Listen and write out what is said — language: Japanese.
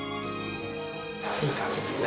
いい感じですね。